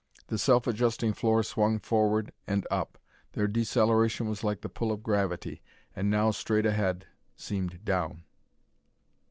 The self adjusting floor swung forward and up. Their deceleration was like the pull of gravity, and now straight ahead seemed down.